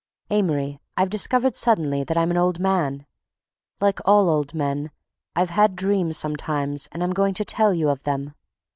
Amory, I've discovered suddenly that I'm an old man. Like all old men, I've had dreams sometimes and I'm going to tell you of them.